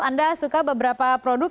anda suka beberapa produk